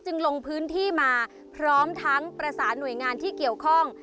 ลงพื้นที่มาพร้อมทั้งประสานหน่วยงานที่เกี่ยวข้อง